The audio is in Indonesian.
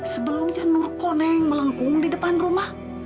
sebelumnya nurko yang melengkung di depan rumah